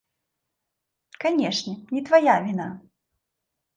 Канешне, не твая віна.